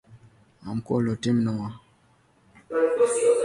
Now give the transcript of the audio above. The movie was directed by her husband Vsevolod Pudovkin.